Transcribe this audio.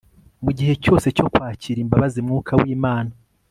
mu gihe cyose cyo kwakira imbabazi, mwuka w'imana